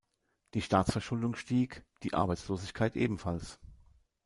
Die Staatsverschuldung stieg; die Arbeitslosigkeit ebenfalls.